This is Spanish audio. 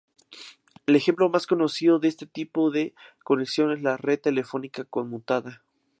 El ejemplo más conocido de este tipo de conexión es la Red Telefónica Conmutada.